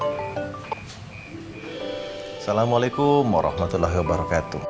assalamualaikum warahmatullahi wabarakatuh